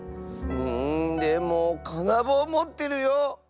うんでもかなぼうもってるよ。